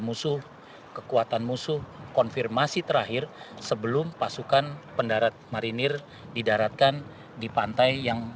musuh kekuatan musuh konfirmasi terakhir sebelum pasukan pendarat marinir didaratkan di pantai yang